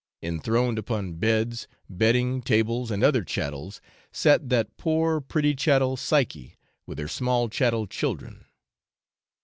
Enthroned upon beds, bedding, tables, and other chattels, sat that poor pretty chattel Psyche, with her small chattel children.